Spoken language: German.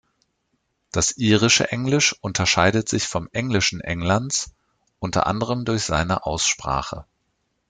Das irische Englisch unterscheidet sich vom Englischen Englands unter anderem durch seine Aussprache.